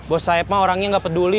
bos saeb mah orangnya gak peduli